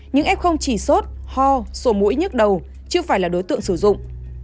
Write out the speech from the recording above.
những f chỉ sốt ho sổ mũi nhức đầu chưa phải là đối tượng sử dụng